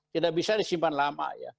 tidak bisa disimpan lama ya